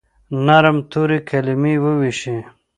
نرم توري، کلیمې وویشي